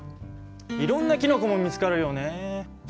いろんなキノコも見つかるよね？